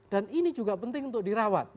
ini juga penting untuk dirawat